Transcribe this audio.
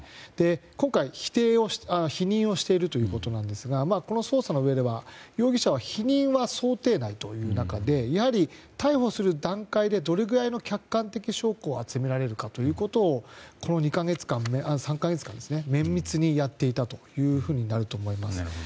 今回、否認をしているということなんですがこの捜査のうえでは容疑者は否認は想定内という中で逮捕する段階でどれぐらいの客観的証拠を集められるかということをこの３か月間で綿密にやっていたというふうになると思います。